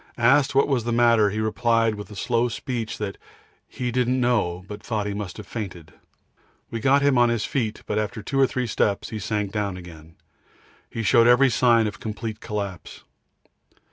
Asked what was the matter, he replied with a slow speech that he didn't know, but thought he must have fainted. We got him on his feet, but after two or three steps he sank down again. He showed every sign of complete collapse.